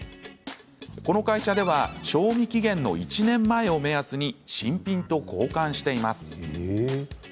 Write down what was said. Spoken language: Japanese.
この会社では賞味期限の１年前を目安に新品と交換しています。